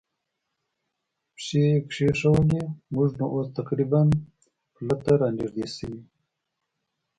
پښې کېښوودې، موږ نو اوس تقریباً پله ته را نږدې شوي و.